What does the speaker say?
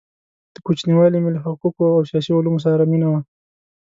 د كوچنیوالي مي له حقو قو او سیاسي علومو سره مینه وه؛